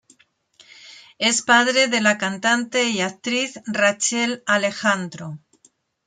Es padre de la cantante y actriz Rachel Alejandro.